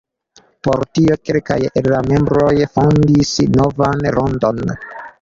Por tio kelkaj el la membroj fondis novan rondon.